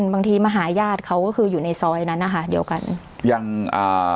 บางทีมาหาญาติเขาก็คืออยู่ในซอยนั้นนะคะเดียวกันยังอ่า